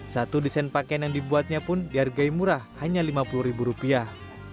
satu desain pakaian yang dibuatnya pun dihargai murah hanya lima puluh ribu rupiah